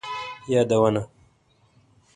یادونه: